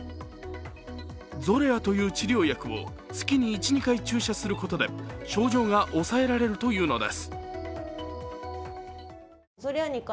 ゾレアという治療薬を月に１２回注射することで症状が抑えられるというのです。